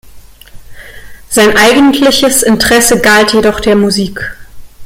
Sein eigentliches Interesse galt jedoch der Musik.